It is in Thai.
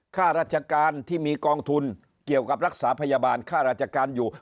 ค่าราชการที่มีกองทุนเกี่ยวกับรักษาพยาบาลค่าราชการอยู่